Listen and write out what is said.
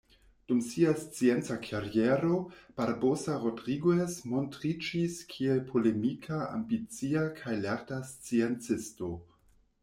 Dum sia scienca kariero, Barbosa Rodriguez montriĝis kiel polemika, ambicia kaj lerta sciencisto.